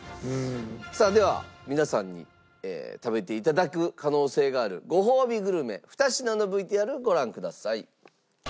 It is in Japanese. さあでは皆さんに食べて頂く可能性があるごほうびグルメ２品のＶＴＲをご覧ください。